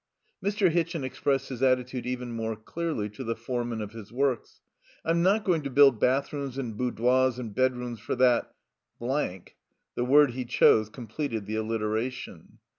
Mr. Hitchin expressed his attitude even more clearly to the foreman of his works. "I'm not going to build bathrooms and boudoirs and bedrooms for that " the word he chose completed the alliteration.